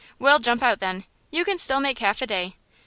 Well, jump out, then. You can still make half a day.